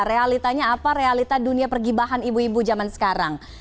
realitanya apa realita dunia pergibahan ibu ibu zaman sekarang